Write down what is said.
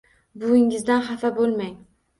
Buvingizdan xafa bo'lmang.